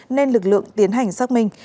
nên lực lượng tiến hành xác minh